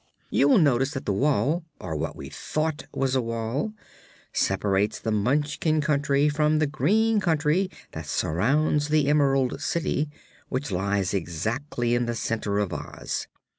You will notice that the wall or what we thought was a wall separates the Munchkin Country from the green country that surrounds the Emerald City, which lies exactly in the center of Oz.